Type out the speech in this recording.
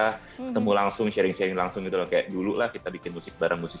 ketemu langsung sharing sharing langsung gitu loh kayak dulu lah kita bikin musik bareng bareng